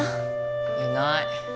いない。